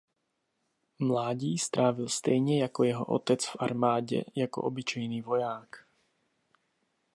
Mládí strávil stejně jako jeho otec v armádě jako obyčejný voják.